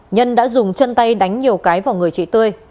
nhân đã dùng chân tay đánh nhiều cái vào người chị tươi